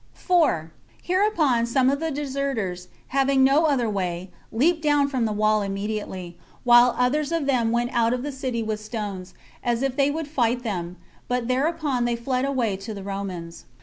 4. Hereupon some of the deserters, having no other way, leaped down from the wall immediately, while others of them went out of the city with stones, as if they would fight them; but thereupon they fled away to the Romans.